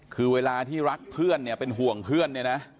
คือเวลาที่รักเพื่อนเนี่ยเป็นห่วงเพื่อนเนี่ยนะ